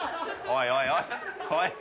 おい。